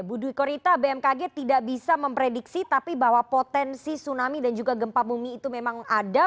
bu dwi korita bmkg tidak bisa memprediksi tapi bahwa potensi tsunami dan juga gempa bumi itu memang ada